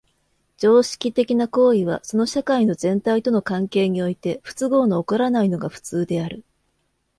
常識的な行為はその社会の全体との関係において不都合の起こらないのが普通である。